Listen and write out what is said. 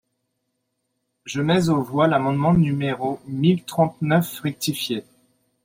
Je mets aux voix l’amendement numéro mille trente-neuf rectifié.